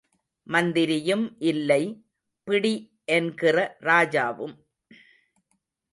மந்திரியும் இல்லை, பிடி என்கிற ராஜாவும்.